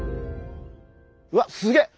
うわっすげえ！